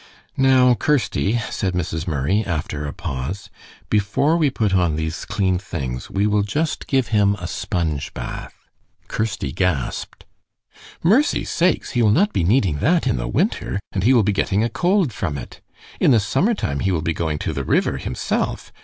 "Now, Kirsty," said Mrs. Murray, after a pause, "before we put on these clean things, we will just give him a sponge bath." Kirsty gasped. "Mercy sakes! He will not be needing that in the winter, and he will be getting a cold from it. In the summer time he will be going to the river himself.